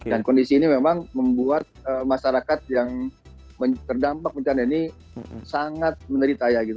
dan kondisi ini memang membuat masyarakat yang terdampak pencarian ini sangat meneritaya gitu